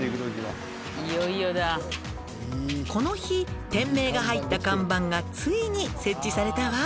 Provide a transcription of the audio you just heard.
「この日店名が入った看板がついに設置されたわ」